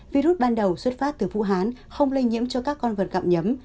virus ban đầu xuất phát từ phụ hán không lây nhiễm cho các con vật gặm nhấm